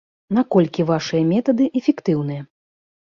Наколькі вашыя метады эфектыўныя?